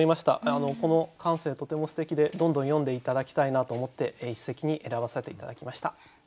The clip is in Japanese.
この感性とてもすてきでどんどん詠んで頂きたいなと思って一席に選ばせて頂きました。